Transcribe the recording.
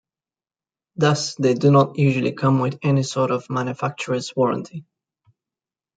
Thus, they do not usually come with any sort of manufacturer's warranty.